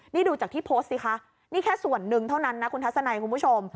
นี่ดูจากที่โพสต์สิคะนี่แค่ส่วนหนึ่งเท่านั้นนะคุณทัศนัยคุณผู้ชม